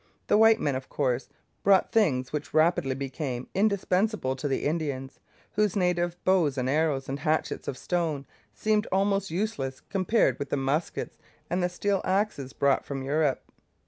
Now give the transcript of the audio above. The white men, of course, brought things which rapidly became indispensable to the Indians, whose native bows and arrows and hatchets of stone seemed almost useless compared with the muskets and the steel axes brought from Europe.